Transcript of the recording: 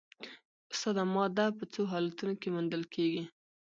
استاده ماده په څو حالتونو کې موندل کیږي